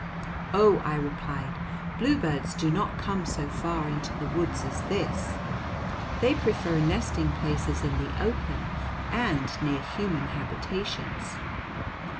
"Oh," I replied, "bluebirds do not come so far into the woods as this. They prefer nesting places in the open, and near human habitations."